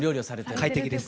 快適です。